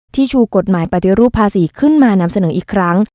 ชูกฎหมายปฏิรูปภาษีขึ้นมานำเสนออีกครั้ง